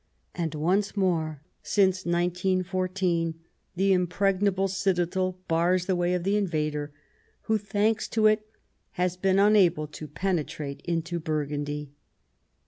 And once more, since 1914, the impregnable citadel bars the wa}^ of the invader, who, thanks to it, has been unable to penetrate into Burgundy.